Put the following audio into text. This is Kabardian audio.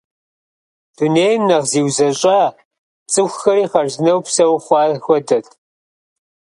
Дунейм нэхъ зиузэщӏа, цӏыхухэри хъарзынэу псэу хъуа хуэдэт.